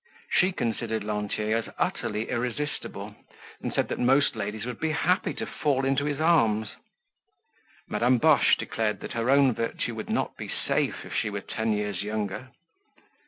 She considered Lantier as utterly irresistible and said that most ladies would be happy to fall into his arms. Madame Boche declared that her own virtue would not be safe if she were ten years younger.